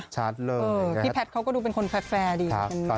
สุดท้ายเราก็ยังเป็นเพื่อนที่ถูกถึง